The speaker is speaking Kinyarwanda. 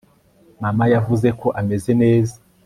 mama yavuze ko ameze neza